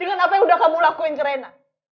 dengan apa yang sudah kamu lakukan ke rena